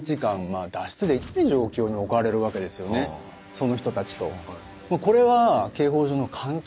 その人たちと。